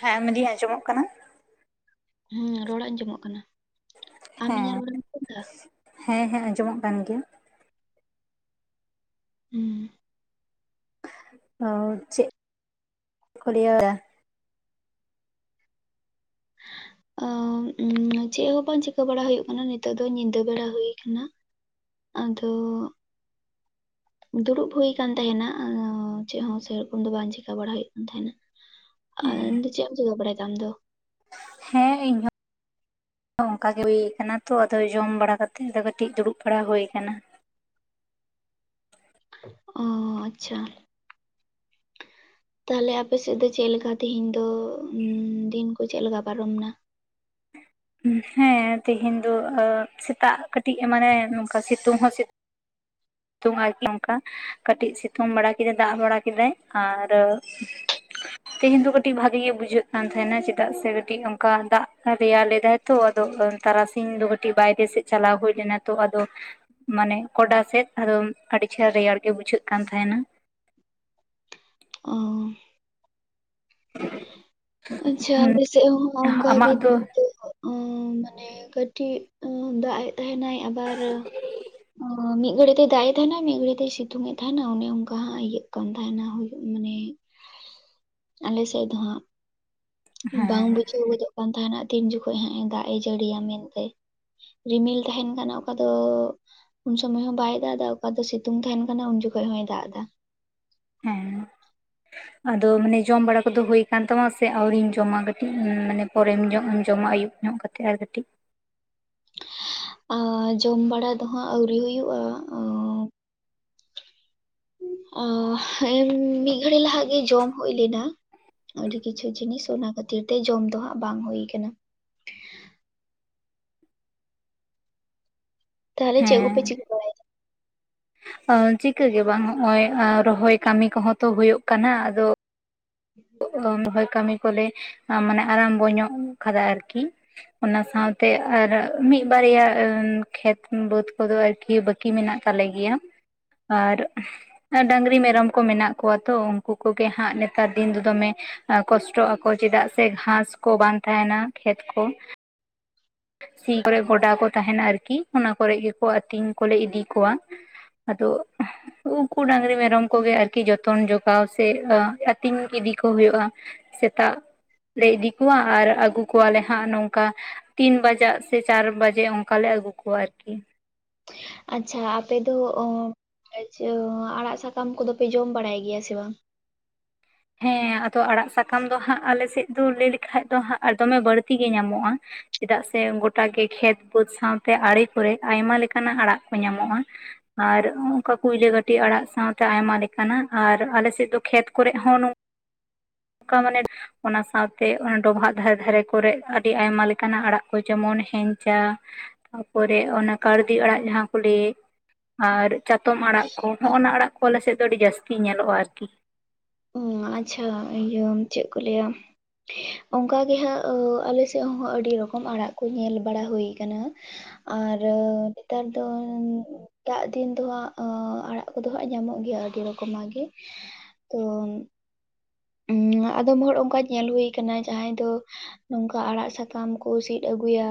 ᱦᱮᱸ ᱢᱮᱱ ᱫᱤᱧ ᱟᱡᱚᱢᱚᱜ ᱠᱟᱱᱟ ᱾ ᱦᱩᱸ ᱨᱚᱲ ᱟᱸᱡᱚᱢᱚᱜ ᱠᱟᱱᱟ? ᱟᱢ ᱤᱧᱟᱹᱜ ᱦᱮᱸ, ᱨᱚᱲᱮᱢ ᱟᱸᱡᱚᱢ ᱫᱟ ᱦᱮᱸ ᱦᱮᱸ ᱟᱸᱡᱚᱢᱚᱜ ᱠᱟᱱ ᱜᱮᱭᱟ ᱾ ᱦᱩᱸ ᱾ ᱚ ᱪᱮᱫ ᱠᱚ ᱞᱮᱭᱟᱼᱼ ᱦᱮᱸ [unintelligible] ᱚ ᱪᱮᱫ ᱦᱚᱸ ᱵᱟᱝ ᱪᱤᱠᱟᱹ ᱵᱟᱲᱟ ᱦᱩᱭᱩᱜ ᱠᱟᱱᱟ ᱱᱤᱛᱚᱜ ᱫᱚ ᱧᱤᱫᱟᱹ ᱵᱮᱲᱟ ᱦᱩᱭ ᱠᱟᱱᱟ ᱾ ᱟᱫᱚᱼᱼ ᱫᱩᱲᱩᱵ ᱦᱩᱭ ᱠᱟᱱ ᱛᱟᱦᱮᱱᱟ, ᱪᱮᱫ ᱦᱚᱸ ᱥᱮ ᱨᱚᱠᱚᱢ ᱫᱚ, ᱵᱟᱝ ᱪᱤᱠᱠᱟ ᱵᱟᱲᱟ, ᱦᱩᱭᱩᱜ ᱠᱟᱱ ᱛᱟᱦᱮᱱᱟ ᱾ ᱟ ᱪᱮᱫ ᱮᱢ ᱪᱤᱠᱟᱹ, ᱵᱟᱲᱟᱭ ᱮᱫᱟᱢ ᱟᱢ ᱫᱚ? ᱦᱮᱸ, ᱤᱧ ᱦᱚᱸ ᱚᱱᱠᱟ ᱜᱮ ᱦᱩᱭ ᱟᱠᱟᱱᱟ ᱛᱚ, ᱟᱫᱚ, ᱡᱚᱢ ᱵᱟᱲᱟ ᱠᱟᱛᱮ, ᱠᱟᱹᱴᱤᱡ ᱫᱩᱲᱩᱵ ᱵᱟᱲᱟ, ᱦᱩᱭ ᱟᱠᱟᱱᱟ ᱾ ᱚᱻ, ᱟᱪᱪᱷᱟ ᱾ ᱛᱟᱦᱟᱞᱮ, ᱟᱯᱮ ᱥᱮᱫ ᱫᱚ, ᱪᱮᱫ ᱞᱮᱠᱟ? ᱛᱮᱦᱮᱧ ᱫᱚ, ᱩᱻᱢ ᱫᱤᱱ ᱠᱚ ᱪᱮᱫ ᱞᱮᱠᱟ ᱯᱟᱨᱚᱢ ᱮᱱᱟ? ᱦᱮᱸ, ᱛᱮᱦᱮᱧ ᱫᱚ ᱟᱻ ᱥᱮᱛᱟᱜ ᱠᱟᱹᱴᱤᱡ, ᱢᱟᱱᱮ, ᱱᱚᱝᱠᱟ ᱥᱤᱛᱩᱝ ᱦᱚᱸ ᱥᱤᱛᱩᱝ ᱟᱨ ᱱᱚᱝᱠᱟ, ᱠᱟᱹᱴᱤᱡ ᱥᱤᱛᱩᱝ ᱵᱟᱲᱟ ᱠᱮᱫᱟᱭ, ᱫᱟᱜ ᱵᱟᱲᱟ ᱠᱮᱫᱟᱭ, ᱟᱨ ᱛᱮᱦᱮᱧ ᱫᱚ, ᱟᱹᱰᱤ ᱵᱷᱟᱹᱜᱤ ᱜᱮ, ᱵᱩᱡᱷᱟᱹᱜ ᱠᱟᱱ ᱛᱟᱦᱮᱸ ᱱᱟ, ᱪᱮᱫᱟᱜ ᱥᱮ ᱠᱟᱹᱴᱤᱡ, ᱚᱱᱠᱟ, ᱫᱟᱜ ᱨᱮᱭᱟᱲ ᱞᱮᱫᱟᱭ ᱛᱚ, ᱛᱚ, ᱟᱫᱚ ᱛᱟᱨᱟᱥᱤᱧ ᱫᱚ, ᱠᱟᱹᱴᱤᱡ ᱵᱟᱭᱨᱮ ᱥᱮᱫ, ᱪᱟᱞᱟᱣ ᱦᱩᱭ ᱞᱮᱱᱟ ᱛᱚ, ᱟᱫᱚ ᱢᱟᱱᱮ, ᱠᱚᱰᱟ ᱥᱮᱫ, ᱟᱫᱚ ᱟᱹᱰᱤ ᱪᱮᱦᱨᱟ ᱨᱮᱭᱟᱲ ᱜᱮ, ᱵᱩᱡᱷᱟᱹᱜ ᱠᱟᱱ ᱛᱟᱦᱮ ᱱᱟ ᱾ ᱚᱻ ᱾ [inaudible] [unintelligible] ᱟᱪᱪᱷᱟ, ᱦᱩᱸ, ᱟᱞᱮ ᱥᱮᱫ, ᱦᱚᱸ ᱚᱱᱠᱟ ᱟᱢᱟᱜ ᱜᱮ, ᱫᱚ ᱜᱷᱩᱴᱩ [inaudible] ᱩᱸᱻ, ᱢᱟᱱᱮ ᱠᱟᱹᱴᱤᱡ, ᱫᱟᱜ ᱛᱟᱦᱮᱸ ᱮᱱᱟᱭ, ᱟᱵᱟᱨ ᱚᱸᱻ ᱢᱤᱫ ᱜᱷᱟᱹᱲᱤ, ᱮ ᱫᱟᱜ ᱮᱫᱟᱭ ᱾ ᱛᱮᱦᱮᱱᱼᱱᱟᱭ, ᱢᱤᱫ ᱜᱷᱟᱹᱲᱤ ᱛᱮᱭ ᱥᱤᱛᱩᱝ ᱮᱫ ᱛᱟᱦᱮᱱᱟ, ᱚᱱᱮ ᱚᱱᱠᱟ ᱦᱟᱸᱜ, ᱤᱭᱟᱹᱜ ᱠᱟᱱ ᱛᱟᱦᱮᱱᱟ, ᱦᱩᱭᱩᱜ ᱢᱟᱱᱮ ᱟᱞᱮ ᱥᱮᱫ ᱫᱚ, ᱦᱟᱸᱜ ᱵᱟᱝ ᱦᱮᱸ ᱵᱩᱡᱷᱟᱹᱣ ᱜᱚᱫᱚᱜ ᱠᱟᱱ ᱛᱟᱦᱮᱱᱟ, ᱛᱤᱱ ᱡᱚᱠᱷᱚᱡ ᱦᱟᱸᱜ, ᱮ ᱫᱟᱜ ᱮ ᱡᱟᱹᱲᱤᱭᱟ ᱢᱮᱱᱛᱮ ᱾ ᱨᱤᱢᱤᱞ ᱛᱟᱦᱮᱱ ᱠᱟᱱᱟ, ᱚᱠᱟ ᱫᱚ ᱩᱱ ᱥᱩᱚᱢᱚᱭ ᱦᱚᱸ ᱵᱟᱭ ᱫᱟᱜ ᱮᱫᱟ, ᱚᱠᱟ ᱫᱚ, ᱥᱤᱛᱩᱝ ᱛᱟᱦᱮᱸᱱ ᱠᱟᱱᱟ, ᱩᱱ ᱡᱚᱠᱷᱚᱱ ᱦᱚᱭ ᱫᱟᱜ ᱮᱫᱟ ᱦᱮᱸ ᱟᱫᱚ, ᱢᱟᱱᱮ ᱡᱚᱢ ᱵᱟᱲᱟ ᱠᱚᱫᱚ, ᱦᱩᱭ ᱠᱟᱱ ᱛᱟᱢᱟ, ᱥᱮ ᱟᱹᱣᱨᱤᱢ ᱡᱚᱢᱟ, ᱠᱟᱹᱴᱤᱡ ᱢᱟᱱᱮ, ᱯᱚᱨᱮᱢ ᱡᱚᱢᱟ, ᱟᱭᱩᱵ? ᱧᱚᱜ ᱠᱟᱛᱮᱫ, ᱟᱨ ᱠᱟᱹᱴᱤᱡ ᱾ ᱟᱻ, ᱡᱚᱢ ᱵᱟᱲᱟ ᱫᱚ ᱦᱟᱸᱜ, ᱟᱹᱣᱨᱤ ᱦᱩᱭᱩᱜᱼᱟ ᱾ ᱚᱻ ᱦ ᱢᱤᱫ ᱜᱷᱟᱹᱲᱤ ᱞᱟᱦᱟᱜ ᱜᱮ, ᱡᱚᱢ ᱦᱩᱭ ᱞᱮᱱᱟ ᱾ ᱟᱹᱰᱤ ᱠᱤᱪᱷᱩ ᱡᱤᱱᱤᱥ, ᱚᱱᱟ ᱠᱷᱟᱹᱛᱤᱨ ᱛᱮ, ᱡᱚᱢ ᱫᱚ ᱦᱟᱸᱜ, ᱵᱟᱝ ᱦᱩᱭ ᱟᱠᱟᱱᱟ ᱾ ᱛᱟᱦᱟᱞᱮ, ᱪᱮᱫ ᱠᱚ ᱯᱮ, ᱪᱤᱠᱟᱹ ᱵᱟᱲᱟᱭ ᱮᱫᱟ? ᱪᱤᱠᱟᱹᱜᱮ ᱵᱟᱝ, ᱦᱚᱸᱜᱼᱚᱭ ᱨᱚᱦᱚᱭ ᱠᱟᱹᱢᱤ ᱠᱚᱦᱚᱸ ᱛᱚ, ᱦᱩᱭᱩᱜ ᱠᱟᱱᱟ, ᱟᱫᱚ ᱨᱚᱦᱚᱭ ᱠᱟᱹᱢᱤ ᱠᱚᱞᱮ, ᱢᱟᱱᱮ ᱟᱨᱟᱢᱵᱚ ᱧᱚᱜ ᱟᱠᱟᱫᱟ, ᱟᱨ ᱠᱤ ᱚᱱᱟ ᱥᱟᱶ ᱛᱮ, ᱟᱨ ᱢᱤᱫ ᱵᱟᱨᱭᱟ, ᱠᱷᱮᱛ ᱵᱟᱹᱫᱽ ᱠᱚᱫᱚ, ᱟᱨ ᱠᱤ ᱵᱟᱠᱤ, ᱢᱮᱱᱟᱜ ᱛᱟᱞᱮ ᱜᱮᱭᱼᱟ ᱾ ᱟᱨ, ᱰᱟᱺᱝᱨᱤ, ᱢᱮᱨᱚᱢ ᱠᱚ, ᱢᱮᱱᱟᱜ ᱠᱚᱣᱟ ᱛᱚ, ᱩᱱᱠᱩ ᱠᱚ ᱜᱮ ᱦᱟᱸᱜ, ᱱᱮᱛᱟᱨ ᱫᱤᱱ ᱫᱚ, ᱫᱚᱢᱮ ᱠᱚᱥᱴᱚᱜ ᱟᱠᱚ, ᱪᱮᱫᱟᱜ ᱥᱮ ᱜᱷᱟᱸᱥ ᱠᱚ, ᱵᱟᱝ ᱛᱟᱦᱮᱱᱟ, ᱠᱷᱮᱛ ᱠᱚ ᱥᱤ ᱠᱚᱨᱮᱜ, ᱜᱚᱰᱟ ᱠᱚ ᱛᱟᱦᱮᱱᱟ, ᱟᱨ ᱠᱤ, ᱚᱱᱟ ᱠᱚᱨᱮ ᱜᱮ, ᱠᱚ ᱟᱹᱛᱤᱧ ᱠᱚᱞᱮ, ᱤᱫᱤ ᱠᱚᱣᱟ ᱾ ᱟᱫᱚ, ᱩᱸᱼᱷ ᱩᱱᱠᱩ ᱰᱟᱺᱝᱨᱤ, ᱢᱮᱨᱚᱢ ᱠᱚᱜᱮ ᱟᱨᱠᱤ, ᱡᱚᱛᱚᱱ ᱡᱚᱜᱟᱣ ᱥᱮ, ᱟᱹᱛᱤᱧ ᱤᱫᱤ ᱠᱚ, ᱦᱩᱭᱩᱜᱼᱟ ᱾ ᱥᱮᱛᱟᱜ ᱞᱮ, ᱤᱫᱤ ᱠᱚᱣᱟ, ᱟᱨ ᱟᱹᱜᱩ ᱠᱚᱣᱟ ᱞᱮ ᱦᱟᱸᱜ, ᱱᱚᱝᱠᱟ ᱛᱤᱱ ᱵᱟᱡᱟᱜ ᱥᱮ, ᱪᱟᱨ ᱵᱟᱡᱮ, ᱚᱱᱠᱟ ᱞᱮ ᱟᱹᱜᱩ ᱠᱚᱣᱟ, ᱟᱨ ᱠᱤ ᱾ ᱦᱟᱹᱭᱟᱼᱦᱟ, ᱟᱪᱪᱷᱟ ᱟᱯᱮ ᱫᱚ ᱚᱼ ᱟᱪᱪᱷᱟ, ᱟᱲᱟᱜ ᱥᱟᱠᱟᱢ ᱠᱚᱫᱚ ᱯᱮ, ᱡᱚᱢ ᱵᱟᱲᱟᱭ ᱜᱮᱭᱟ ᱥᱮ ᱵᱟᱝ? ᱦᱮᱸ, ᱟᱫᱚ ᱟᱲᱟᱜ ᱥᱟᱠᱟᱢ ᱫᱚ ᱦᱟᱸᱜ, ᱟᱞᱮ ᱥᱮᱫ ᱫᱚ, ᱞᱟᱹᱭ ᱞᱮᱠᱷᱟᱱ ᱫᱚ ᱦᱟᱜ, ᱫᱚᱢᱮ ᱵᱟᱹᱲᱛᱤ ᱜᱮ ᱧᱟᱢᱚᱜᱼᱟ ᱾ ᱪᱮᱫᱟᱜ ᱥᱮ ᱜᱚᱴᱟ ᱜᱮ, ᱠᱷᱮᱛ ᱵᱟᱹᱫᱽ ᱥᱟᱶᱛᱮ, ᱟᱲᱮ ᱠᱚᱨᱮ, ᱟᱭᱢᱟ ᱞᱮᱠᱟᱱᱟᱜ ᱟᱲᱟᱜ ᱠᱚ, ᱧᱟᱢᱚᱜᱼᱟ ᱾ ᱟᱨ,, ᱩᱸᱜᱝᱠᱟ ᱠᱩᱭᱞᱟᱹ ᱠᱟᱹᱴᱤ ᱟᱲᱟᱜ ᱥᱟᱶᱛᱮ, ᱟᱭᱢᱟ ᱞᱮᱠᱟᱱᱟᱜ, ᱟᱨ ᱟᱞᱮ ᱥᱮᱫ ᱫᱚ, ᱠᱷᱮᱛ ᱠᱚᱨᱮᱜ ᱦᱚᱸ, ᱱᱚᱝᱠᱟ ᱢᱟᱱᱮ ᱚᱱᱟ ᱥᱟᱸᱶ ᱛᱮ ᱚᱱᱟ ᱰᱚᱵᱷᱟᱜ ᱫᱷᱟᱨᱮ ᱫᱷᱟᱨᱮ ᱠᱚᱨᱮᱜ ᱟᱹᱰᱤ ᱟᱭᱢᱟ ᱞᱮᱠᱟᱱᱟᱜ ᱟᱲᱟᱜ ᱠᱚ ᱡᱮᱢᱚᱱ ᱦᱮᱝᱪᱟ᱾ ᱛᱟ ᱯᱚᱨᱮ ᱚᱱᱟ ᱠᱟᱲᱫᱤ ᱟᱲᱟᱜ ᱡᱟᱦᱟᱸᱠᱚ ᱞᱟᱹᱭ ᱮᱫ ᱟᱨ ᱪᱟᱛᱚᱢ ᱟᱲᱟᱜ᱾ ᱠᱚ ᱦᱚᱸᱜᱼᱚ ᱱᱚᱭᱟ ᱟᱲᱟᱜ ᱠᱚ ᱟᱞᱮ ᱥᱮᱫ ᱫᱚ ᱟᱹᱰᱤ ᱡᱟᱹᱥᱛᱤ ᱧᱮᱞᱚᱜᱼᱟ ᱟᱨ ᱠᱤ᱾ ᱚ ᱟᱪᱪᱷᱟ ᱤᱭᱟᱹ ᱪᱮᱫ ᱠᱚ ᱞᱟᱹᱭᱟ? ᱚᱱᱠᱟ ᱜᱮ ᱦᱟᱸᱜ ᱟᱞᱮ ᱥᱮᱫ ᱦᱚᱸ ᱟᱹᱰᱤ ᱨᱚᱠᱚᱢ ᱟᱲᱟᱜ ᱠᱚ ᱧᱮᱞ ᱵᱟᱲᱟ ᱦᱩᱭ ᱠᱟᱱᱟ᱾ ᱟᱨ ᱱᱮᱛᱟᱨ ᱫᱚ, ᱮᱴᱟᱜ ᱫᱤᱱ ᱫᱚ ᱦᱟᱸᱜ ᱟᱲᱟᱜ ᱠᱚ ᱫᱚ ᱦᱟᱸᱜ ᱧᱟᱢᱚᱜ ᱜᱮᱭᱟ ᱟᱹᱰᱤ ᱨᱚᱠᱚᱢ ᱟᱜ ᱜᱮ᱾ ᱛᱚ, ᱟᱫᱚᱢ ᱦᱚᱲ ᱚᱱᱠᱟ ᱧᱮᱞ ᱦᱩᱭ ᱠᱟᱱᱟ ᱡᱟᱦᱟᱸᱭ ᱫᱚ, ᱱᱚᱝᱠᱟ ᱟᱲᱟᱜ ᱥᱟᱠᱟᱢ ᱠᱚ ᱥᱤᱫ ᱟᱹᱜᱩᱭᱟ᱾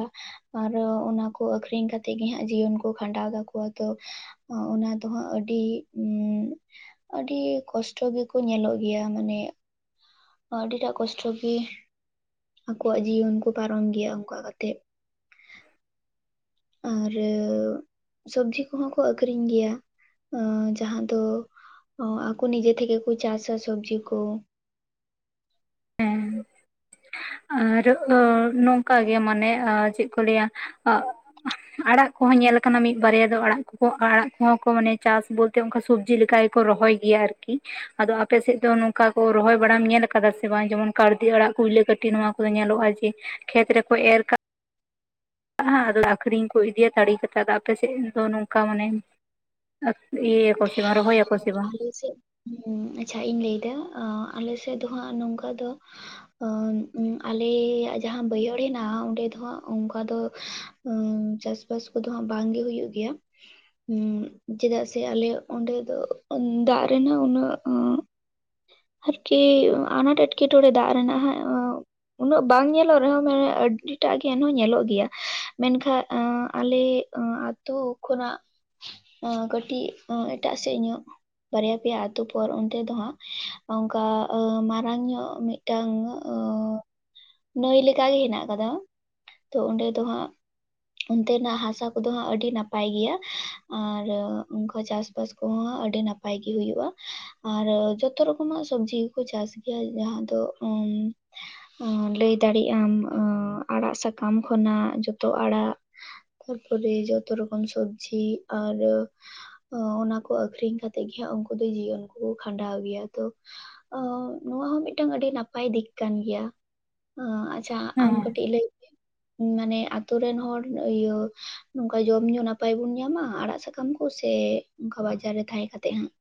ᱟᱨ ᱚᱱᱟᱠᱚ ᱟᱠᱷᱨᱤᱧ ᱠᱟᱛᱮᱜ ᱜᱮ ᱦᱟᱸᱜ ᱡᱤᱭᱚᱱ ᱠᱚ ᱠᱷᱟᱸᱰᱟᱣ ᱫᱟᱠᱚ ᱟᱫᱚ᱾ ᱚ, ᱚᱱᱟ ᱫᱚ ᱦᱟᱸᱜ ᱟᱹᱰᱤ, ᱟᱹᱰᱤ ᱠᱚᱥᱴᱚ ᱜᱮᱠᱚ ᱧᱮᱞᱚᱜ ᱜᱮᱭᱟ ᱢᱟᱱᱮ, ᱟᱹᱰᱤᱴᱟᱜ ᱠᱚᱥᱴᱚ ᱜᱮ ᱟᱠᱚᱣᱟᱜ, ᱡᱤᱭᱚᱱ ᱠᱚ ᱯᱟᱨᱚᱢ ᱜᱮᱭᱟ ᱚᱱᱠᱟ ᱠᱟᱛᱮᱜ᱾ ᱟᱨ, ᱥᱚᱵᱡᱤ ᱠᱚᱦᱚᱸ ᱠᱚ ᱟᱠᱷᱨᱤᱧ ᱜᱮᱭᱟ ᱡᱟᱦᱟᱸ ᱫᱚ, ᱚ ᱟᱠᱚ ᱱᱤᱡᱮ ᱛᱮᱜᱮ ᱠᱚ ᱪᱟᱥᱟ ᱥᱚᱵᱡᱤ ᱠᱚ᱾ ᱦᱮᱸ [inaudible] ᱟᱨ ᱱᱚᱝᱠᱟ ᱜᱮ ᱢᱟᱱᱮ ᱪᱮᱫ ᱠᱚ ᱞᱟᱹᱭᱟ? ᱟᱲᱟᱜ ᱠᱚᱦᱚᱸ ᱧᱮᱞᱟ ᱠᱟᱱᱟ ᱢᱤᱫ ᱵᱟᱨᱭᱟ ᱫᱚ ᱟᱲᱟᱜ ᱠᱚᱠᱚ ᱟᱲᱟᱜ ᱠᱚᱦᱚᱸ ᱠᱚ ᱢᱟᱱᱮ ᱪᱟᱥᱵᱚᱛ, ᱚᱱᱠᱟ ᱥᱚᱵᱡᱤ ᱞᱮᱠᱟ ᱜᱮᱠᱚ ᱨᱚᱦᱚᱭ ᱜᱮᱭᱟ ᱟᱨᱠᱤ ᱟᱫᱚ ᱟᱯᱮᱥᱮᱫ ᱫᱚ ᱱᱚᱝᱠᱟ ᱠᱚ ᱨᱚᱦᱚᱭ ᱵᱟᱲᱟᱢ ᱧᱮᱞ ᱠᱟᱫᱟ᱾ ᱵᱟᱝ, ᱡᱮᱢᱚᱱ ᱠᱟᱲᱫᱮ ᱟᱲᱟᱜ ᱠᱩᱭᱞᱟᱹ ᱠᱟᱹᱴᱤ ᱱᱚᱣᱟ ᱠᱚᱫᱚ ᱧᱮᱞᱚᱜᱼᱟ ᱡᱮ ᱠᱷᱮᱛ ᱨᱮᱠᱚ ᱮᱨ ᱠᱟᱜ ᱟᱫᱚ ᱟᱠᱷᱨᱤᱧ ᱠᱚ ᱤᱫᱤᱭᱟ ᱛᱟᱲᱮ ᱠᱟᱛᱮᱫ ᱫᱚ ᱟᱯᱮᱥᱮᱫ ᱫᱚ ᱱᱚᱝᱠᱟ ᱢᱟᱱᱮ, ᱤᱭᱟᱹ ᱭᱟᱠᱩ ᱥᱮᱵᱟᱝ ᱨᱚᱦᱚᱭ ᱟᱠ᱾ ᱟᱞᱮ ᱥᱮᱫ ᱟᱪᱪᱷᱟ ᱤᱧ ᱞᱟᱹᱭ ᱮᱫᱟ ᱟᱞᱮ ᱥᱮᱫ ᱫᱚ ᱦᱟᱸᱜ ᱱᱚᱝᱠᱟ ᱫᱚ, ᱟᱞᱮᱭᱟᱜ ᱡᱟᱦᱟᱸ ᱵᱟᱹᱭᱦᱟᱹᱲ ᱦᱮᱱᱟᱜᱼᱟ ᱚᱸᱰᱮ ᱫᱚ ᱦᱟᱸᱜ ᱚᱱᱠᱟ ᱫᱚ, ᱪᱟᱥᱵᱟᱥ ᱠᱚᱫᱚ ᱦᱟᱸᱜ ᱵᱟᱝᱜᱮ ᱦᱩᱭᱩᱜ ᱜᱮᱭᱟ᱾ ᱪᱮᱫᱟᱜ ᱥᱮ ᱟᱞᱮ ᱚᱸᱰᱮ ᱫᱚ, ᱫᱟᱜ ᱨᱮᱱᱟᱜ ᱩᱱᱟᱹᱜ ᱩ ᱟᱨᱠᱤ ᱟᱱᱟᱴ ᱮᱴᱠᱮᱴᱚᱬᱮ ᱫᱟᱜ ᱨᱮᱱᱟᱜ ᱦᱟᱸᱜ, ᱩᱱᱟᱹᱜ ᱵᱟᱝ ᱧᱮᱞᱚᱜ ᱨᱮᱦᱚᱸ ᱢᱟᱱᱮ ᱟᱹᱰᱤᱴᱟᱜ ᱜᱮ ᱮᱱᱦᱚᱸ ᱧᱮᱞᱚᱜ ᱜᱮᱭᱟ, ᱢᱮᱱᱠᱷᱟᱱ ᱟᱞᱮ, ᱟᱛᱳ ᱠᱷᱚᱱᱟᱜ ᱠᱟᱹᱴᱤᱡ ᱮᱴᱟᱜ ᱥᱮᱫ ᱧᱚᱜ᱾ ᱵᱟᱨᱭᱟ ᱯᱮᱭᱟ ᱟᱛᱳ ᱯᱚᱨ ᱚᱱᱛᱮ ᱫᱚ ᱦᱟᱸᱜ ᱚᱱᱠᱟ ᱢᱟᱨᱟᱝ ᱧᱚᱜ ᱢᱤᱫ, ᱢᱤᱫᱴᱟᱝ ᱚ, ᱱᱟᱹᱭ ᱞᱮᱠᱟᱜᱮ ᱦᱮᱱᱟᱜ ᱠᱟᱫᱟ ᱛᱚ ᱚᱸᱰᱮ ᱫᱚ ᱦᱟᱸᱜ, ᱚᱱᱛᱮᱱᱟᱜ ᱦᱟᱥᱟ ᱠᱚᱫᱚ ᱦᱟᱸᱜ ᱟᱹᱰᱤ ᱱᱟᱯᱟᱭ ᱜᱮᱭᱟ᱾ ᱟᱨ ᱩᱱᱠᱟ ᱪᱟᱥᱵᱟᱥ, ᱠᱚ ᱟᱹᱰᱤ ᱱᱟᱯᱟᱭ ᱜᱮ ᱦᱩᱭᱩᱜᱼᱟ᱾ ᱟᱨ ᱡᱚᱛᱚ ᱨᱚᱠᱚᱢᱟᱜ ᱥᱚᱵᱡᱤ ᱜᱮᱠᱚ ᱪᱟᱥ ᱜᱮᱭᱟ ᱡᱟᱦᱟᱸ ᱫᱚ ᱩᱸ, ᱞᱟᱹᱭ ᱫᱟᱲᱮᱭᱟᱜ ᱟᱢ ᱟᱲᱟᱜ ᱥᱟᱠᱟᱢ ᱠᱷᱚᱱᱟᱜ ᱡᱚᱛᱚ ᱟᱲᱟᱜ, ᱛᱟᱨᱯᱚᱨᱮ ᱡᱚᱛᱚ ᱨᱚᱠᱚᱢ ᱥᱚᱵᱡᱤ ᱟᱨ ᱚᱱᱟ ᱠᱚ ᱟᱠᱷᱨᱤᱧ ᱠᱟᱛᱮ, ᱛᱮᱜ ᱜᱮ ᱦᱟᱸᱜ ᱩᱱᱠᱩ ᱫᱚ ᱡᱤᱭᱚᱱ ᱠᱚ ᱠᱷᱟᱸᱰᱟᱣ ᱜᱮᱭᱟ ᱛᱚ, ᱚ ᱱᱚᱣᱟ ᱦᱚᱸ ᱢᱤᱫᱴᱟᱝ ᱟᱹᱰᱤ ᱱᱟᱯᱟᱭ ᱫᱤᱠ ᱠᱟᱱ ᱜᱮᱭᱟ᱾ ᱚ ᱟᱪᱪᱷᱟ ᱟᱢ ᱦᱮᱸ ᱠᱟᱹᱴᱤᱡ ᱞᱟᱹᱭ ᱯᱮ? ᱢᱟᱱᱮ ᱟᱛᱩ ᱨᱮᱱ ᱦᱚᱲ ᱤᱭᱟᱹ ᱱᱚᱝᱠᱟ ᱡᱚᱢ ᱧᱩ ᱱᱟᱯᱟᱭ ᱵᱩᱱ ᱧᱟᱢᱟ ᱟᱲᱟᱜ ᱥᱟᱠᱟᱢ ᱠᱚ ᱥᱮ? ᱚᱱᱠᱟ ᱵᱟᱡᱟᱨ ᱨᱮ ᱛᱟᱦᱮᱸ ᱠᱟᱛᱮᱜ ᱦᱟᱸᱜ᱾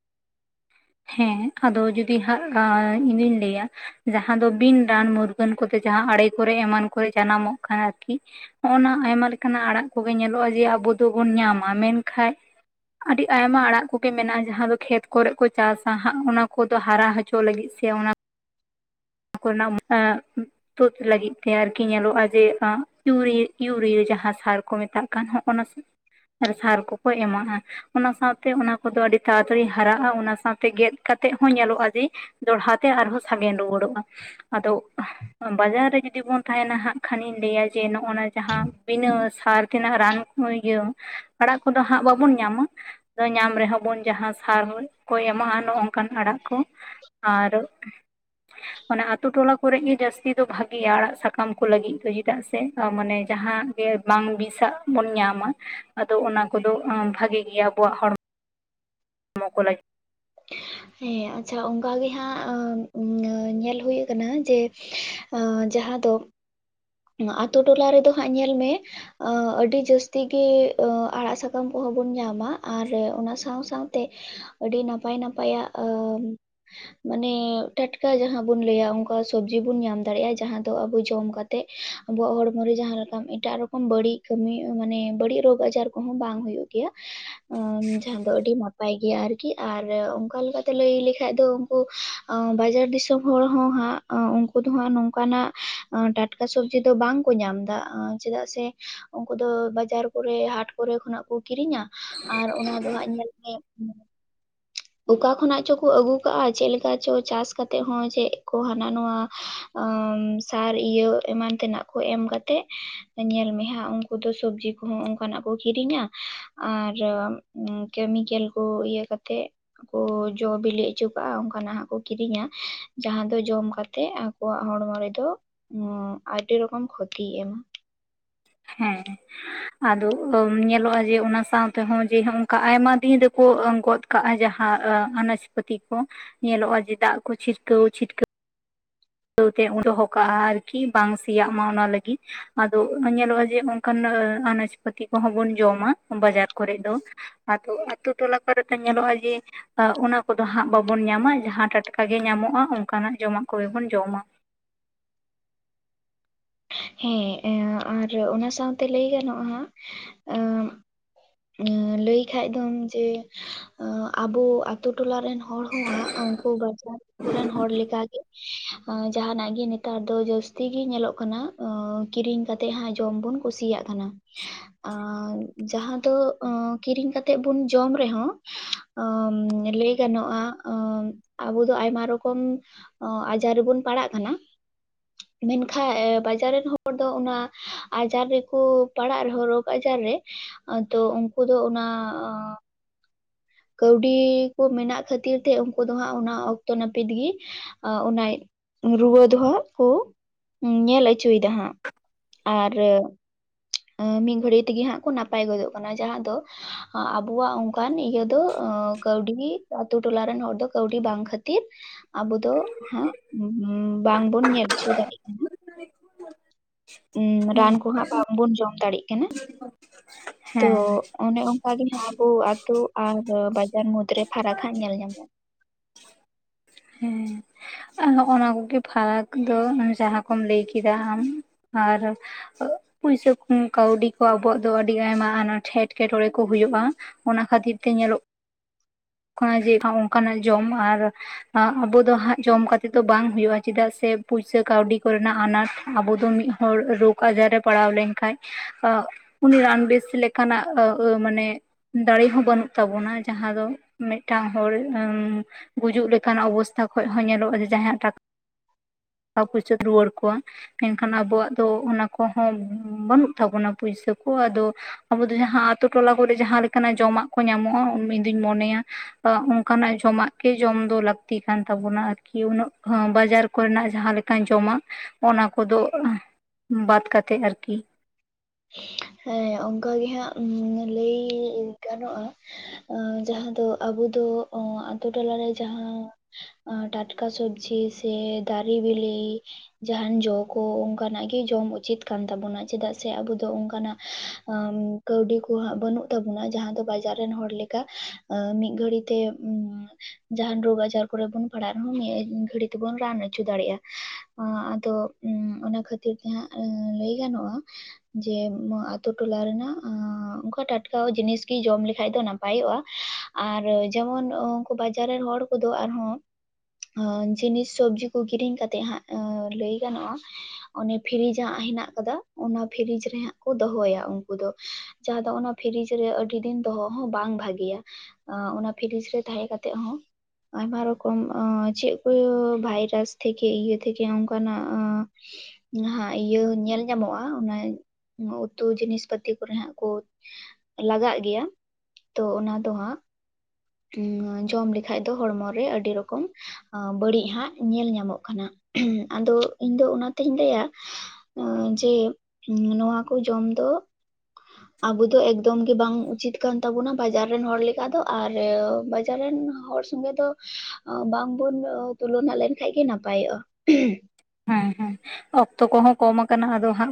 ᱦᱮᱸ ᱟᱫᱚ ᱡᱩᱫᱤ ᱦᱟᱸᱜ ᱤᱧᱫᱩᱧ ᱞᱟᱹᱭᱟ? ᱡᱟᱦᱟᱸ ᱫᱚ ᱵᱤᱱ ᱨᱟᱱ ᱢᱩᱨᱜᱟᱹᱱ ᱠᱚᱛᱮ ᱡᱟᱦᱟᱸ ᱟᱲᱮ ᱠᱚᱨᱮ ᱮᱢᱟᱱ ᱠᱚᱨᱮ ᱡᱟᱱᱟᱢᱚᱜ ᱠᱟᱱᱟ ᱟᱨᱠᱤ᱾ ᱱᱚᱜᱼᱚᱭ ᱱᱟ ᱟᱭᱢᱟ ᱞᱮᱠᱟᱱᱟᱜ ᱟᱲᱟᱜ ᱠᱚᱜᱮ ᱧᱮᱞᱚᱜᱼᱟ ᱡᱮ ᱟᱵᱚ ᱫᱚᱵᱚᱱ ᱧᱟᱢᱟ ᱢᱮᱱᱠᱷᱟᱡ ᱟᱹᱰᱤ ᱟᱭᱢᱟ ᱟᱲᱟᱜ ᱠᱚᱜᱮ ᱢᱮᱱᱟᱜᱼᱟ ᱡᱟᱦᱟᱸ ᱫᱚ ᱠᱷᱮᱛ ᱠᱚᱨᱮ ᱠᱚ ᱪᱟᱥᱟ ᱦᱟᱸᱜ ᱚᱱᱟ ᱠᱚᱫᱚ ᱦᱟᱨᱟ ᱦᱚᱪᱚ ᱞᱟᱹᱜᱤᱫ ᱥᱮ ᱚᱱᱟ ᱠᱚᱨᱮᱱᱟᱜ ᱛᱩᱫ ᱞᱟᱹᱜᱤᱫ ᱛᱮ ᱟᱨᱠᱤ ᱧᱮᱞᱚᱜᱼᱟ ᱡᱮ ᱤᱭᱩᱨᱤᱭᱟᱹ ᱤᱭᱩᱨᱤᱭᱟᱹ ᱡᱟᱦᱟᱸ ᱥᱟᱨ ᱠᱚ ᱢᱮᱛᱟᱜ ᱠᱟᱱ ᱦᱚᱜ-ᱚᱭ ᱱᱟ ᱟᱨ ᱥᱟᱨ ᱠᱚᱠᱚ ᱮᱢᱟᱜᱼᱟ ᱚᱱᱟ ᱥᱟᱶᱛᱮ ᱚᱱᱟ ᱠᱚᱫᱚ ᱟᱹᱰᱤ ᱛᱟᱲᱟᱛᱟᱲᱤ ᱦᱟᱨᱟᱜᱼᱟ ᱚᱱᱟ ᱥᱟᱶᱛᱮ ᱜᱮᱫ ᱠᱟᱛᱮᱜ ᱦᱚᱸ ᱧᱮᱞᱚᱜᱼᱟ ᱡᱮ ᱫᱚᱦᱲᱟ ᱛᱮ ᱟᱨᱦᱚᱸ ᱥᱟᱜᱮᱱ ᱨᱩᱣᱟᱹᱲᱚᱜᱼᱟ᱾ ᱟᱫᱚ ᱵᱟᱡᱟᱨ ᱨᱮ ᱡᱩᱫᱤ ᱵᱚᱱ ᱛᱟᱦᱮᱱᱟ ᱦᱟᱸᱜ ᱠᱷᱟᱱᱤᱧ ᱞᱟᱹᱭᱟ ᱡᱮ ᱱᱚᱜ ᱚᱱᱟ ᱡᱟᱦᱟᱸ ᱵᱤᱱᱟᱹ ᱥᱟᱨ ᱛᱮᱱᱟᱜ ᱨᱟᱱ ᱠᱚ ᱤᱭᱟᱹ ᱟᱲᱟᱜ ᱠᱚᱫᱚ ᱦᱟᱸᱜ ᱵᱟᱵᱚᱱ ᱧᱟᱢᱟ᱾ ᱫᱚᱭ ᱧᱟᱢ ᱨᱮᱦᱚᱸ ᱵᱚᱱ ᱡᱟᱦᱟᱸ ᱥᱟᱨ ᱨᱮ ᱠᱚᱭ ᱮᱢᱟᱜᱼᱟ ᱱᱚᱜ ᱱᱚᱝᱠᱟᱱ ᱟᱲᱟᱜ ᱠᱚ ᱟᱨ ᱚᱱᱟ ᱟᱛᱩ ᱴᱚᱞᱟ ᱠᱚᱨᱮ ᱜᱮ ᱡᱟᱹᱥᱛᱤ ᱫᱚ ᱵᱷᱟᱜᱮᱭᱟ ᱟᱲᱟᱜ ᱥᱟᱠᱟᱢ ᱠᱚ ᱞᱟᱹᱜᱤᱫ ᱫᱚ ᱪᱮᱫᱟᱜ ᱥᱮ ᱢᱟᱱᱮ ᱡᱟᱦᱟᱸ ᱜᱮ ᱵᱟᱝ ᱵᱤᱥᱟᱜ ᱵᱚᱱ ᱧᱟᱢᱟ᱾ ᱟᱫᱚ ᱚᱱᱟ ᱠᱚᱫᱚ ᱟᱸ ᱵᱷᱟᱜᱮ ᱜᱮᱭᱟ ᱟᱵᱚᱣᱟᱜ ᱦᱚᱲᱢᱚ ᱢᱚᱠᱚ ᱠᱚ ᱞᱟᱹᱜᱤ [unintelligible] ᱦᱮᱸ ᱟᱪᱪᱷᱟ ᱚᱝᱠᱟ ᱜᱮ ᱦᱟᱸᱜ ᱟᱹᱧᱮᱞ ᱦᱩᱭ ᱟᱠᱟᱱᱟ ᱡᱮ ᱟᱹ ᱡᱟᱦᱟᱸ ᱫᱚ ᱱᱚᱣᱟ ᱟᱹᱛᱩ ᱴᱚᱞᱟ ᱨᱮᱫᱚ ᱦᱟᱸᱜ ᱧᱮᱞ ᱢᱮ ᱟᱹ ᱟᱹᱰᱤ ᱡᱟᱹᱥᱛᱤ ᱜᱤ ᱟᱲᱟᱜ ᱥᱟᱠᱟᱢ ᱠᱚᱦᱚᱸ ᱵᱚᱱ ᱧᱟᱢᱟ ᱟᱨ ᱚᱱᱟ ᱥᱟᱶ ᱥᱟᱶ ᱛᱮ ᱟᱹᱰᱤ ᱱᱟᱯᱟᱭ ᱱᱟᱯᱟᱭᱟᱜ ᱟ. ᱢ ᱢᱟᱱᱮ ᱴᱟᱴᱠᱟ ᱡᱟᱦᱟᱸ ᱵᱚᱱ ᱞᱟᱹᱭᱟ ᱚᱱᱠᱟ ᱥᱚᱵᱽᱡᱤ ᱵᱚᱱ ᱧᱟᱢ ᱫᱟᱲᱮᱭᱟᱜᱼᱟ ᱡᱟᱦᱟᱸ ᱫᱚ ᱟᱵᱩ ᱡᱚᱢ ᱠᱟᱛ ᱛᱮᱜ ᱟᱵᱚᱣᱟᱜ ᱦᱚᱲᱢᱚ ᱨᱮ ᱡᱟᱦᱟᱸ ᱞᱮᱠᱟ ᱮᱴᱟᱜ ᱨᱚᱠᱚᱢ ᱵᱟᱹᱲᱤᱡ ᱠᱟᱹᱢᱤ ᱢᱟᱱᱮ ᱵᱟᱹᱲᱤᱡ ᱨᱳᱜᱽ ᱟᱡᱟᱨ ᱠᱚᱦᱚᱸ ᱵᱟᱝ ᱦᱩᱭᱩᱜ ᱜᱤᱭᱟ᱾ ᱟᱢ ᱡᱟᱦᱟᱸ ᱫᱚ ᱟᱹᱰᱤ ᱱᱟᱯᱟᱭ ᱜᱮᱭᱟ ᱟᱨᱠᱤ ᱟᱨ ᱚᱱᱠᱟ ᱞᱮᱠᱟᱛᱮ ᱞᱟᱹᱭ ᱞᱮᱠᱷᱟᱡ ᱫᱚ ᱩᱱᱠᱩ [unintelligible] ᱵᱟᱡᱟᱨ ᱫᱤᱥᱚᱢ ᱦᱚᱲ ᱦᱚᱸ ᱦᱟᱸᱜ ᱩᱱᱠᱩ ᱫᱚ ᱦᱟᱸᱜ ᱱᱚᱝᱠᱟᱱᱟᱜ ᱴᱟᱴ ᱴᱟᱴᱠᱟ ᱥᱚᱵᱽᱡᱤ ᱫᱚ ᱵᱟᱝ ᱠᱚ ᱧᱟᱢ ᱮᱫᱟ ᱟᱹ ᱪᱮᱫᱟᱜ ᱥᱮ ᱩᱱᱠᱩ ᱫᱚ ᱵᱟᱡᱟᱨ ᱠᱚᱨᱮ ᱦᱟᱴ ᱠᱚᱨᱮ ᱠᱷᱚᱱᱟᱜ ᱠᱚ ᱠᱤᱨᱤᱧᱟ ᱟᱨ ᱚᱱᱟ ᱫᱚ ᱦᱟᱸᱜ ᱧᱮᱞ ᱢᱮ ᱚᱠᱟ ᱠᱷᱚᱱᱟᱜ ᱪᱚ ᱠᱚ ᱟᱹᱜᱩ ᱠᱟᱜᱼᱟ ᱪᱮᱫ ᱞᱮᱠᱟ ᱪᱚ ᱪᱟᱥ ᱠᱟᱛᱮᱜ ᱦᱚᱸ ᱪᱮᱫ ᱠᱚ ᱦᱟᱱᱟ ᱱᱟᱣᱟ ᱟᱢ ᱥᱟᱨ ᱤᱭᱟᱹ ᱮᱢᱟᱱ ᱛᱮᱱᱟᱜ ᱠᱚ ᱮᱢ ᱠᱟᱛᱮᱜ ᱧᱮᱞ ᱢᱮ ᱦᱟᱸᱜ ᱚᱝ ᱩᱱᱠᱩ ᱫᱚ ᱥᱚᱵᱽᱡᱤ ᱠᱚᱦᱚᱸ ᱚᱱᱠᱟᱱᱟᱜ ᱠᱚ ᱠᱤᱨᱤᱧᱟ᱾ ᱟᱨ ᱠᱮᱢᱤᱠᱮᱞ ᱠᱚ ᱤᱭᱟᱹ ᱠᱟᱛᱮ ᱠᱚ ᱡᱚ ᱵᱤᱞᱤ ᱦᱚᱪᱚ ᱠᱟᱜᱼᱟ ᱚᱱᱠᱟᱱᱟᱜ ᱦᱟᱸᱜ ᱠᱚ ᱠᱤᱨᱤᱧᱟ ᱡᱟᱦᱟᱸ ᱫᱚ ᱡᱚᱢ ᱠᱟᱛᱮᱜ ᱟᱵ ᱠᱚᱣᱟᱜ ᱦᱚᱲᱢᱚ ᱨᱮᱫᱚ ᱟᱹᱰᱤ ᱨᱚᱠᱚᱢ ᱠᱷᱚᱛᱤᱭ ᱮᱢᱟ᱾ ᱦᱮᱸ ᱦᱮᱸ ᱟᱫᱚ ᱧᱮᱞᱚᱜᱼᱟ ᱡᱮ ᱚᱱᱟ ᱥᱟᱶ ᱛᱮᱦᱚᱸ ᱡᱮ ᱚᱝᱠᱟ ᱟᱭᱢᱟ ᱫᱤᱱ ᱨᱮᱠᱚ ᱜᱚᱫ ᱠᱟᱜᱼᱟ ᱡᱟᱦᱟᱸ ᱟᱱᱟᱡ ᱯᱟᱹᱛᱤ ᱠᱚ ᱧᱮᱞᱚᱜᱼᱟ ᱡᱮ ᱫᱟᱜ ᱠᱚ ᱪᱷᱤᱴᱠᱟᱹᱣ ᱪᱷᱤᱴᱠᱟᱹᱣ ᱟᱹᱣ ᱛᱮ ᱩᱰᱚᱦᱚᱠᱟᱜᱼᱟ ᱟᱨᱠᱤ ᱵᱟᱝ ᱥᱮᱭᱟᱜ ᱢᱟ ᱚᱱᱟ ᱞᱟᱹᱜᱤᱫ ᱟᱫᱚ ᱧᱮᱞᱚᱜᱼᱟ ᱡᱮ ᱚᱱᱠᱟᱱ ᱟᱱᱟᱡᱯᱟᱹᱛᱤ ᱠᱚᱦᱚᱸ ᱵᱚᱱ ᱡᱚᱢᱟ ᱵᱟᱡᱟᱨ ᱠᱚᱨᱮᱜ ᱫᱚ ᱟᱹᱫᱩ ᱟᱹᱛᱩ ᱴᱚᱞᱟ ᱠᱚᱨᱮ ᱫᱚ ᱧᱮᱞᱚᱜᱼᱟ ᱡᱮ ᱟ ᱚᱱᱟ ᱠᱚᱫᱚ ᱦᱟᱸᱜ ᱵᱟᱵᱚᱱ ᱧᱟᱢᱟ ᱡᱟᱦᱟᱸ ᱴᱟᱴᱠᱟᱜ ᱜᱮ ᱧᱟᱢᱚᱜᱼᱟ ᱚᱱᱠᱟᱱᱟᱜ ᱡᱚᱢᱟᱜ ᱠᱚᱜᱮ ᱵᱚᱱ ᱡᱚᱢᱟ᱾ ᱦᱮᱸ ᱮᱸ ᱟᱨ ᱚᱱᱟ ᱥᱟᱶᱛᱮ ᱞᱟᱹᱭ ᱜᱟᱱᱚᱜᱼᱟ ᱦᱟᱸᱜ ᱞᱟᱹᱭ ᱠᱷᱟᱱᱡ ᱫᱚᱢ ᱡᱮ ᱟᱵᱚ ᱟᱹᱛᱩ ᱴᱚᱞᱟ ᱨᱮᱱ ᱦᱚᱲ ᱦᱚᱸ ᱦᱟᱸᱜ ᱩᱱᱠᱩ ᱵᱟᱡᱟᱨ ᱠᱚᱨᱮᱱ ᱦᱚᱲ ᱞᱮᱠᱟᱜ ᱜᱮ ᱟ ᱡᱟᱦᱟᱸᱱᱟᱜ ᱜᱮ ᱱᱮᱛᱟᱨ ᱫᱚ ᱡᱟᱹᱥᱛᱤ ᱜᱮ ᱧᱮᱞᱚᱜ ᱠᱟᱱᱟ ᱟᱸ ᱠᱤᱨᱤᱧ ᱠᱟᱛ ᱛᱮᱜ ᱦᱟᱸ ᱡᱚᱢ ᱵᱚᱱ ᱠᱩᱥᱤᱭᱟᱜ ᱠᱟᱱᱟ [unintelligible] ᱡᱟᱦᱟᱸ ᱛᱚ ᱠᱤᱨᱤᱧ ᱠᱟᱛᱮᱜ ᱵᱚᱱ ᱡᱚᱢ ᱨᱮᱦᱚᱸ ᱞᱟᱹᱭ ᱜᱟᱱᱚ-ᱟ, ᱟᱵᱚ ᱫᱚ ᱟᱭᱢᱟ ᱨᱚᱠᱚᱢ ᱟᱡᱟᱨ ᱨᱮᱵᱚᱱ ᱯᱟᱲᱟᱜ ᱠᱟᱱᱟ, ᱢᱮᱱᱠᱷᱟᱡ ᱵᱟᱡᱟᱨ ᱨᱮᱱ ᱦᱚᱲ ᱫᱚ ᱚᱱᱟ ᱟᱡᱟᱨ ᱨᱮᱠᱚ ᱯᱟᱲᱟᱜ ᱨᱮᱦᱚᱸ ᱨᱳᱜᱽ ᱟᱡᱟᱨ ᱨᱮ ᱟ ᱛᱚ ᱩᱱᱠᱩ ᱫᱚ ᱚᱱᱟ ᱠᱟᱹᱣᱰᱤ ᱠᱚ ᱢᱮᱱᱟᱜ ᱠᱷᱟᱹᱛᱤᱨ ᱛᱮ ᱩᱱᱠᱩ ᱫᱚ ᱦᱟᱸᱜ ᱚᱱᱟ ᱚᱠᱛᱚ ᱱᱟᱹᱯᱤᱛ ᱜᱤ ᱚᱱᱟ ᱨᱩᱣᱟᱹ ᱫᱚᱦᱟᱜ ᱠᱩ ᱧᱮᱞ ᱪᱩᱭᱫᱟ ᱦᱟᱸᱜ ᱟᱨ ᱢᱤᱫᱜᱷᱟᱹᱲᱤ ᱛᱮᱜᱮ ᱦᱟᱸᱜ ᱠᱚ ᱱᱟᱯᱟᱭ ᱜᱚᱫᱚᱜ ᱠᱟᱱᱟ ᱡᱟᱦᱟᱸ ᱫᱚ ᱟᱵᱚᱣᱟᱜ ᱚᱱᱠᱟᱱ ᱤᱭᱟᱹ ᱫᱚ ᱠᱟᱹᱣᱰᱤ ᱟᱛᱳ ᱴᱚᱞᱟ ᱨᱮᱱ ᱦᱚᱲ ᱫᱚ ᱠᱟᱹᱣᱰᱤ ᱵᱟᱝ ᱠᱷᱟᱹᱛᱤᱨ ᱟᱵᱚ ᱫᱚ ᱦᱟᱜ ᱵᱟᱝᱵᱩᱱ ᱧᱮᱞ ᱦᱚᱪᱚ ᱫᱟᱲᱤᱜ ᱠᱟᱱᱟ᱾ ᱨᱟᱱ ᱦᱩᱸ ᱠᱚᱦᱟᱸᱜ ᱵᱟᱝᱵᱚᱱ ᱡᱚᱢ ᱫᱟᱲᱮᱜ ᱠᱟᱱᱟ, ᱛᱚ ᱦᱮᱸ ᱚᱱᱮ ᱠᱟ ᱜᱮ ᱦᱟᱸᱜ ᱟᱵᱚ ᱟᱹᱛᱩ ᱟᱨ ᱵᱟᱡᱟᱨ ᱢᱩᱫᱽ ᱨᱮ ᱯᱷᱟᱨᱟᱠ ᱦᱟᱸᱜ ᱧᱮᱞ ᱧᱟᱢᱚᱜ-ᱟ᱾ ᱦᱮᱸ ᱱᱚᱜᱚ ᱱᱟ ᱠᱚᱜᱮ ᱯᱷᱟᱨᱟᱠ ᱫᱚ ᱡᱟᱦᱟᱸ ᱠᱚᱢ ᱞᱟᱹᱭ ᱠᱮᱫᱟ ᱟᱢ, ᱟᱨ ᱯᱩᱭᱥᱟᱹ ᱠᱩ ᱠᱟᱹᱣᱰᱤ ᱠᱚ ᱟᱵᱚᱣᱟᱜ ᱫᱚ ᱟᱹᱰᱤ ᱟᱭᱢᱟ ᱟᱱᱟᱴ ᱮᱸᱴᱠᱮᱴᱚᱬᱮ ᱠᱚ ᱦᱩᱭᱩᱜ-ᱟ᱾ ᱚᱱᱟ ᱠᱷᱟᱹᱛᱤᱨ ᱛᱮ ᱧᱮᱞᱚᱜ ᱠᱟᱱᱟ ᱡᱮ ᱚᱱᱠᱟᱱᱟᱜ ᱡᱚᱢ ᱟᱨ ᱟᱵᱚ ᱫᱚ ᱦᱟᱸᱜ ᱡᱚᱢ ᱠᱟᱛᱮᱫ ᱫᱚ ᱵᱟᱝ ᱦᱚᱭᱳᱜ-ᱟ ᱪᱮᱫᱟᱜ ᱥᱮ ᱯᱩᱭᱥᱟᱹ ᱠᱟᱹᱣᱰᱤ ᱠᱚᱨᱮᱱᱟᱜ ᱟᱱᱟᱴ ᱟᱵᱚ ᱫᱚ ᱢᱤᱫ ᱦᱚᱲ ᱨᱳᱜᱽ ᱟᱡᱟᱨ ᱨᱮ ᱯᱟᱲᱟᱣ ᱞᱮᱝᱠᱷᱟᱡ ᱩᱱᱤ ᱨᱟᱱ ᱵᱮᱥ ᱞᱮᱠᱟᱱᱟᱜ ᱟᱹᱣ ᱟᱹᱣ ᱢᱟᱱᱮ ᱫᱟᱲᱮ ᱦᱚᱸ ᱵᱟᱹᱱᱩᱜ ᱛᱟᱵᱚᱱᱟ ᱡᱟᱦᱟᱸ ᱫᱚ ᱢᱮᱜᱴᱟᱝ ᱦᱚᱲ ᱜᱩᱡᱩᱜ ᱞᱟᱹᱠ ᱠᱟᱱ ᱚᱵᱚᱥᱛᱟ ᱠᱷᱚᱡ ᱦᱚᱸ ᱧᱮᱞᱚᱜ-ᱟ ᱡᱮ ᱡᱟᱦᱟᱸᱭᱟᱜ ᱴᱟ ᱠᱟ ᱯᱩᱭᱥᱟᱹ ᱨᱩᱣᱟᱹᱲ ᱠᱚᱣᱟ ᱢᱮᱱᱠᱷᱟᱱ ᱟᱵᱩᱣᱟᱜ ᱫᱚ ᱚᱱᱟ ᱠᱚᱦᱚᱸ ᱵᱟᱹᱱᱩᱜ ᱛᱟᱵᱚᱱᱟ ᱯᱩᱭᱥᱟᱹ ᱠᱚ ᱟᱫᱚ ᱟᱵᱚ ᱫᱚ ᱡᱟᱦᱟᱸ ᱟᱹᱛᱩ ᱴᱚᱞᱟ ᱠᱚᱨᱮ ᱡᱟᱦᱟᱸ ᱞᱮᱠᱟᱱᱟᱜ ᱡᱚᱢᱟᱜ ᱠᱚ ᱧᱟᱢᱚᱜ-ᱟ ᱚᱢ ᱤᱧ ᱫᱩᱧ ᱢᱚᱱᱮᱭᱟ ᱛᱚ ᱚᱱᱠᱟᱱᱟᱜ ᱡᱚᱢᱟᱜ ᱜᱮ ᱡᱚᱢ ᱫᱚ ᱞᱟᱠ ᱛᱤ ᱠᱟᱱ ᱛᱟᱵᱚᱱᱟ ᱟᱨᱠᱤ ᱩᱱᱟᱹᱜ ᱦᱚᱸ ᱵᱟᱡᱟᱨ ᱠᱚ ᱨᱮᱱᱟᱜ ᱡᱟᱦᱟᱸ ᱞᱮᱠᱟᱧ ᱡᱚᱢᱟ ᱚᱱᱟ ᱠᱚᱫᱚ ᱵᱟᱫ ᱠᱟᱛᱮᱜ ᱟᱨᱠᱤ ᱦᱮᱸ ᱚᱱᱠᱟ ᱜᱮ ᱦᱟᱸᱜ ᱞᱟᱹᱭ ᱜᱟᱱᱚᱜ-ᱟ, ᱟᱸ ᱡᱟᱦᱟᱸ ᱫᱚ ᱟᱵᱚ ᱫᱚ ᱟᱸ ᱟᱛᱩ ᱴᱚᱞᱟ ᱨᱮ ᱡᱟᱦᱟᱸ ᱟᱸ ᱴᱟᱴᱠᱟ ᱥᱚᱵᱽᱡᱤ ᱥᱮ ᱫᱟᱨᱤ ᱵᱤᱞᱤ ᱡᱟᱦᱟᱱ ᱡᱚ ᱠᱚ ᱚᱝᱠᱟᱱᱟᱜ ᱜᱮ ᱡᱚᱢ ᱩᱪᱤᱛ ᱠᱟᱱ ᱛᱟᱵᱚᱱᱟ ᱪᱮᱫᱟᱜ ᱪᱮ ᱟᱵᱩ ᱫᱚ ᱚᱝᱠᱟᱱᱟᱜ ᱟᱸᱢ ᱠᱟᱹᱣᱰᱤ ᱠᱚ ᱦᱟᱸᱜ ᱵᱟᱹᱱᱩᱜ ᱛᱟᱵᱚᱱᱟ ᱡᱟᱦᱟᱸ ᱫᱚ ᱵᱟᱡᱟᱨ ᱨᱮᱱ ᱦᱚᱲ ᱞᱮᱠᱟ ᱟᱸ ᱢᱤᱫ ᱜᱷᱟᱹᱲᱤ ᱛᱮ ᱩᱢ ᱡᱟᱦᱟᱱ ᱨᱳᱜᱽ ᱟᱡᱟᱨ ᱠᱚᱨᱮ ᱵᱩᱱ ᱯᱟᱲᱟᱜ ᱨᱮᱦᱚᱸ ᱢᱤᱫ ᱜᱷᱟᱹᱲᱤᱡ ᱛᱤ ᱵᱩᱱ ᱨᱟᱱ ᱩᱪᱩ ᱫᱟᱲᱮᱜ-ᱟ ᱟᱸ ᱟᱫᱚ ᱚᱸ ᱚᱱᱟ ᱠᱷᱟᱹᱛᱤᱨ ᱛᱮ ᱦᱟᱸᱜ ᱟᱸ ᱞᱟᱹᱭ ᱜᱟᱱᱚᱜ-ᱟ ᱡᱮ ᱟᱛᱩ ᱴᱚᱞᱟ ᱨᱮᱱᱟᱜ ᱟᱸ ᱚᱝᱠᱟ ᱴᱟᱴᱠᱟᱣ ᱡᱤᱱᱤᱥ ᱜᱤ ᱡᱚᱢ ᱞᱮᱠᱷᱟᱡ ᱫᱚ ᱱᱟᱯ ᱯᱟᱭᱚᱜ-ᱟ ᱟᱨ ᱡᱮᱢᱚᱱ ᱩᱱᱠᱩ ᱵᱟᱡᱟᱨ ᱨᱮᱱ ᱦᱚᱲ ᱠᱚᱫᱚ ᱟᱨᱦᱚᱸ ᱟᱸ ᱡᱤᱱᱤᱥ ᱥᱚᱵᱽᱡᱤ ᱠᱚ ᱠᱤᱨᱤᱧ ᱠᱟᱛᱮᱜ ᱦᱟᱸᱜ ᱟᱸ ᱞᱟᱹᱭ ᱜᱟᱱᱚᱜ-ᱟ ᱚᱱᱮ ᱯᱷᱤᱨᱤᱡᱽ ᱦᱟᱸᱜ ᱦᱮᱱᱟᱜ ᱠᱟᱫᱟ ᱚᱱᱟ ᱯᱷᱤᱨᱤᱡᱽ ᱨᱮ ᱦᱟᱸᱜ ᱠᱚ ᱫᱚᱦᱚᱭᱟ ᱩᱝᱠᱩ ᱫᱚ, ᱡᱟᱦᱟᱸ ᱫᱚ ᱚᱱᱟ ᱯᱷᱤᱨᱤᱡᱽ ᱨᱮ ᱟᱹᱰᱤ ᱫᱤᱱ ᱫᱚᱦᱚ ᱦᱚᱸ ᱵᱟᱝ ᱵᱷᱟᱜᱤᱭᱟ, ᱟᱸ ᱚᱱᱟ ᱯᱷᱤᱨᱤᱡᱽ ᱨᱮ ᱛᱟᱦᱮᱸ ᱠᱟᱛᱮᱜ ᱦᱚᱸ ᱟᱭᱢᱟ ᱨᱚᱠᱚᱢ ᱟᱸ ᱪᱮᱫ ᱠᱚ ᱵᱷᱟᱭᱨᱟᱥ ᱛᱷᱮᱠᱮ ᱤᱭᱟᱹ ᱛᱷᱮᱠᱮ ᱚᱝᱠᱟᱱᱟᱜ ᱟᱸ ᱱᱟᱦᱟᱜ ᱤᱭᱟᱹ ᱧᱮᱞ ᱧᱟᱢᱚᱜ-ᱟ ᱟ ᱚᱱᱟ ᱩᱛᱩ ᱡᱤᱱᱤᱥ ᱯᱟᱹᱛᱤ ᱠᱚᱨᱮ ᱦᱟᱸᱜ ᱠᱩ ᱞᱟᱜᱟᱜ ᱜᱮᱭᱟ ᱛᱚ ᱚᱱᱟ ᱫᱚ ᱦᱟᱸᱜ ᱟᱸᱝᱟᱹ ᱡᱚᱢ ᱞᱮᱠᱷᱟᱡ ᱫᱚ ᱦᱚᱲᱢᱚ ᱨᱮ ᱟᱹᱰᱤ ᱨᱚᱠᱚᱢ ᱟᱸ ᱵᱟᱹᱲᱤᱡ ᱦᱟᱸᱜ ᱧᱮᱞ ᱧᱟᱢᱚᱜ ᱠᱟᱱᱟ ᱟᱫᱚ ᱤᱧ ᱫᱚ ᱚᱱᱟ ᱛᱤᱧ ᱞᱟᱹᱭᱟ ᱩᱸᱻ ᱡᱮ ᱱᱚᱣᱟ ᱠᱩ ᱡᱚᱢ ᱫᱚ ᱟᱵᱚ ᱫᱚ ᱮᱠᱫᱚᱢ ᱜᱮ ᱵᱟᱝ ᱩᱪᱤᱛ ᱠᱟᱱ ᱛᱟᱵᱚᱱᱟ ᱵᱟᱡᱟᱨ ᱨᱮᱱ ᱦᱚᱲ ᱞᱮᱠᱟ ᱫᱚ ᱟᱨ ᱤᱭᱟᱹᱻ ᱵᱟᱡᱟᱨ ᱨᱮᱱ ᱦᱚᱲ ᱥᱚᱸᱜᱮ ᱫᱚ ᱟ ᱵᱟᱝ ᱵᱚᱱ ᱛᱩᱞᱚᱱᱟ ᱞᱮᱱᱠᱷᱟᱱ ᱜᱮ ᱱᱟᱯᱟᱭᱚᱜ-ᱟ᱾ [inaudible] ᱦᱮᱸ ᱦᱮᱸ, ᱚᱠᱛᱚ ᱠᱚᱦᱚᱸ ᱠᱚᱢ ᱠᱟᱱᱟ ᱟᱫᱚ ᱦᱟᱸᱜ